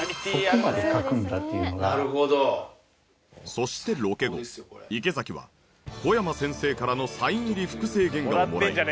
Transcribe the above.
そしてロケ後池崎は小山先生からのサイン入り複製原画をもらい